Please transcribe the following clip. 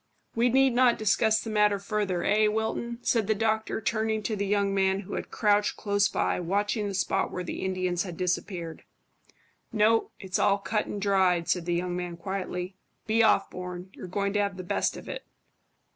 "We need not discuss the matter further, eh, Wilton?" said the doctor, turning to the young man, who had crouched close by, watching the spot where the Indians had disappeared. "No. It's all cut and dried," said the young man quietly. "Be off, Bourne; you're going to have the best of it."